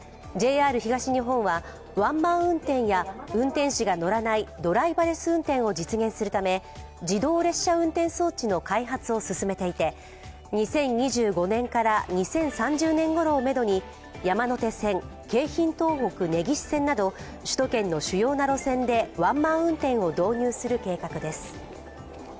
ＪＲ東日本はワンマン運転や運転士が乗らないドライバレス運転を実現するため自動列車運転装置の開発を進めていて、２０２５年から２０３０年ごろをめどに山手線、京浜東北・根岸線など首都圏の主要な路線でワンマン運転を導入する計画です。